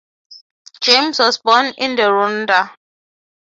James was born in the Rhondda.